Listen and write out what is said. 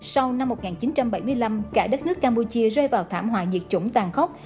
sau năm một nghìn chín trăm bảy mươi năm cả đất nước campuchia rơi vào thảm họa diệt chủng tàn khốc